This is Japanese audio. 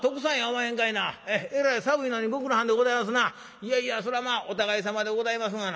「いやいやそらまあお互いさまでございますがな」。